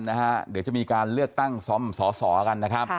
เดี๋ยวจะมีการเลือกตั้งซ้อมสอสอกัน